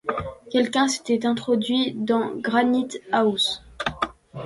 Quelqu’un s’était introduit dans Granite-house.